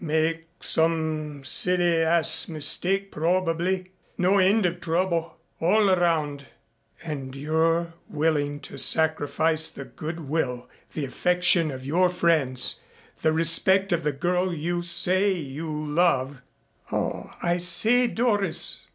Make some silly ass mistake probably. No end of trouble all around." "And you're willing to sacrifice the goodwill, the affection of your friends, the respect of the girl you say you love " "Oh, I say, Doris.